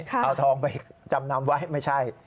เอาทองไปจำนำไว้ไม่ใช่